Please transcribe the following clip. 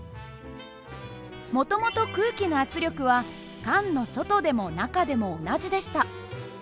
もともと空気の圧力は缶の外でも中でも同じでした。